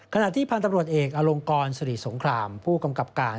ขณะที่พันธุ์ตำรวจเอกอลงกรสิริสงครามผู้กำกับการ